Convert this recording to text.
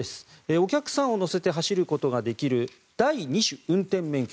お客さんを乗せて走ることができる第２種運転免許。